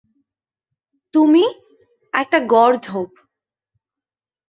তুমি একটা গর্দভ।